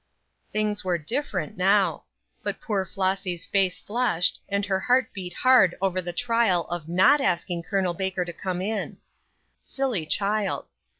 Things were different now. But poor Flossy's face flushed, and her heart beat hard over the trial of not asking Col. Baker to come in. Silly child!